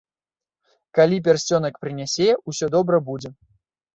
Калі пярсцёнак прынясе, усё добра будзе!